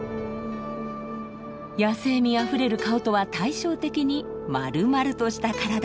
野性味あふれる顔とは対照的にまるまるとした体。